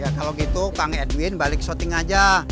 ya kalau gitu pang edwin balik syuting aja